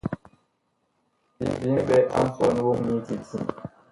Bi mɓɛ a nsɔn woŋ nyi kiti.